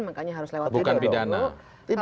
makanya harus lewat pidana umum